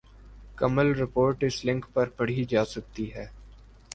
کمل report اس link پر پڑھی جا سکتی ہے ۔